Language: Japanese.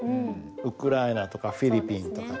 ウクライナとかフィリピンとか。